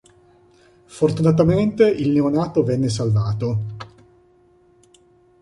Fortunatamente, il neonato venne salvato.